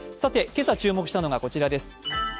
今朝、注目したのが、こちらです。